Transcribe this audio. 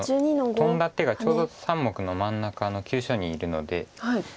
トンだ手がちょうど３目の真ん中の急所にいるので。